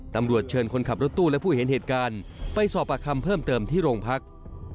ตำรวจเชิญคนขับรถตู้และผู้เห็นเหตุการณ์ไปสอบปากคำเพิ่มเติมที่โรงพัก